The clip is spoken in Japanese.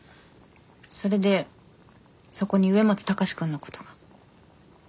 それでそこに上松高志くんのことが。